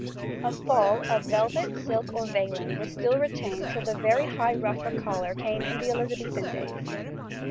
A fall of velvet, silk, or veiling was still retained till the very high ruff or collar came in the Elizabethan days.